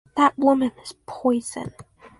That Woman Is Poison!